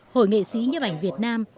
hội nghệ sĩ nhếp ảnh việt nam